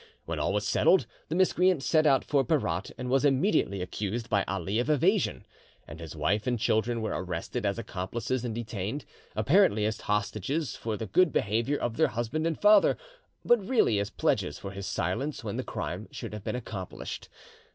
When all was settled, the miscreant set out for Berat, and was immediately accused by Ali of evasion, and his wife and children were arrested as accomplices and detained, apparently as hostages for the good behaviour of their husband and father, but really as pledges for his silence when the crime should have been accomplished.